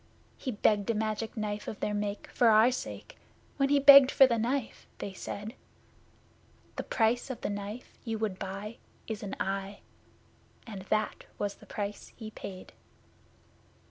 He begged a Magic Knife of their make for our sake. When he begged for the Knife they said: 'The price of the Knife you would buy is an eye!' And that was the price he paid.